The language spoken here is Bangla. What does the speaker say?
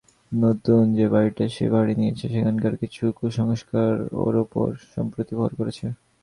নতুন যে বাড়িটা সে ভাড়া নিয়েছে সেখানকার কিছু কুসংস্কার ওর ওপর সম্প্রতি ভর করেছে।